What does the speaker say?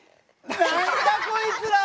何だこいつら！